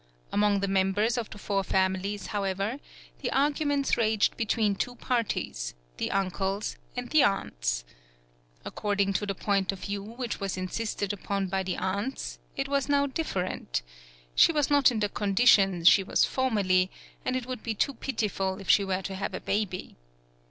Among the members of the four families, however, the argu ments raged between two parties, the uncles and the aunts. According to the point of view which was insisted upon by the aunts, it was now different. She was not in the condition she was for merly, and it would be too pitiful if she were to have a baby.